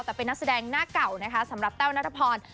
แต่เป็นนักแสดงหน้าเก่านะคะสำหรับแต้วนัทพร